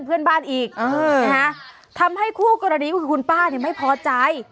เพื่อนบ้านอีกเออนะฮะทำให้คู่กรณีคุณป้านี่ไม่พอใจ